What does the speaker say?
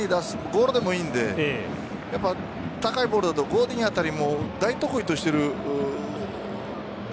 ゴールでもいいので高いボールだとゴディンあたりも大得意としている。